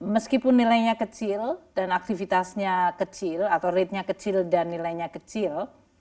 meskipun nilainya kecil dan aktivitasnya kecil atau ratenya kecil dan nilainya kecil